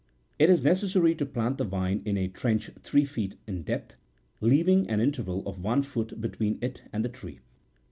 It is necessary to plant the vine in a trench three feet in depth, leaving an interval of one foot between it and the tree.